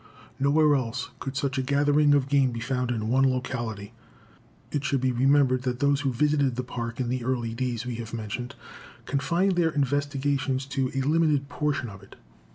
Nowhere else could such a gathering of game be found in one locality. It should be remembered that those who visited the Park in the early days we have mentioned confined their investigations to a limited portion of it.